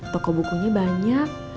toko bukunya banyak